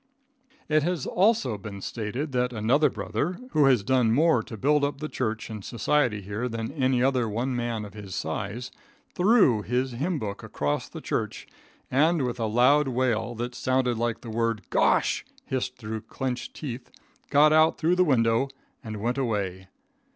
It has also been stated that another brother, who has done more to build up the church and society here than any other one man of his size, threw his hymn book across the church, and, with a loud wail that sounded like the word "Gosh!" hissed through clenched teeth, got out through the window and went away.